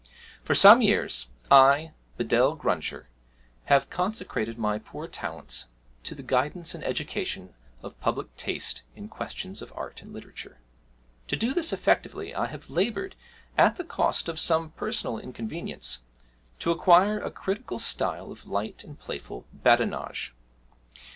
For some years I, Bedell Gruncher, have consecrated my poor talents to the guidance and education of public taste in questions of art and literature. To do this effectively I have laboured at the cost of some personal inconvenience to acquire a critical style of light and playful badinage.